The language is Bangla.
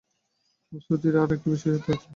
শ্রুতির আর একটি বিশেষত্ব আছে।